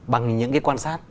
bằng những cái quan sát